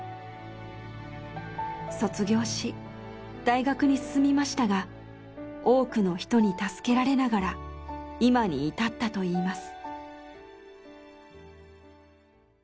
卒業し大学に進みましたが多くの人に助けられながら今に至ったといいます。